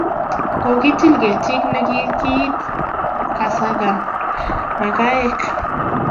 Kokitil ketit ne kinte asakan makaek